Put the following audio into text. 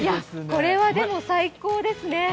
これは、でも最高ですね！